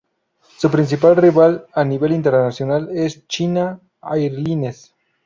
Su principal rival a nivel internacional es China Airlines.